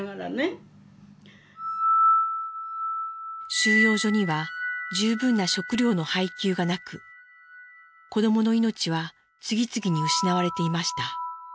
収容所には十分な食料の配給がなく子どもの命は次々に失われていました。